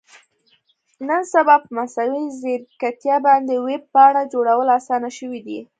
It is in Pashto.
نن سبا په مصنوي ځیرکتیا باندې ویب پاڼه جوړول اسانه شوي دي.